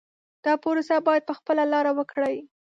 دا پروسه باید په خپله لاره وکړي.